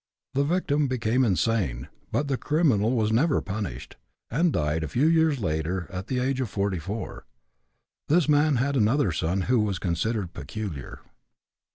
The victim became insane, but the criminal was never punished, and died a few years later at the age of 44. This man had another son who was considered peculiar.